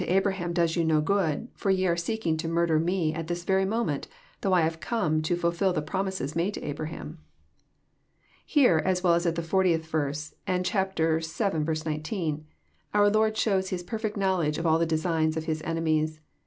vm. 113 Abraham does yon no good, for ye are seeking to mnrder Me at this very moment, thongh I have come to flilfil the promises made to Abraham." Here, as well as at the 40th verse, and chapter vii. 19, onr liord shows His perfect knowledge of all the designs of His enemies.